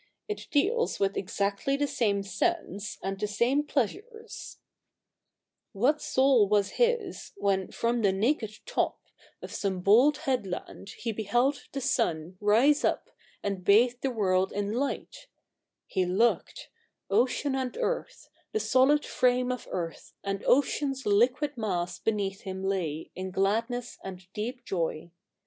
It deals with exactly the same sense, and the same pleasures :— ^\^lut soul was his, when, rom the naked Lop Of some bold headland, he beheld the sun Rise up, and bathe the world in light I He looked — Ocean and earth, the solid frame of earth And ocean's liquid mass beneath him lay In gladness and deep joy.